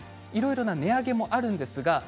いろいろな値上げもあるんですが